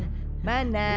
dia mau ke sana